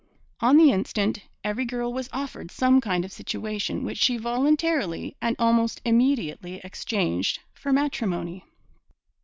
On the instant, every girl was offered some kind of situation, which she voluntarily and almost immediately exchanged for matrimony.